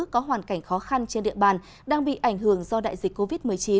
có hoàn cảnh khó khăn trên địa bàn đang bị ảnh hưởng do đại dịch covid một mươi chín